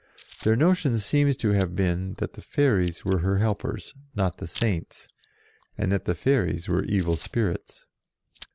Their notion seems to have been that the fairies were her helpers, not the Saints, and that the fairies were evil spirits.